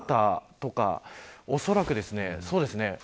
太田とかおそらくそうですね。